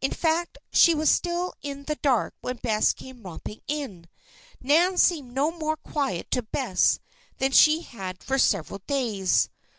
In fact, she was still in the dark when Bess came romping in. Nan seemed no more quiet to Bess than she had for several days.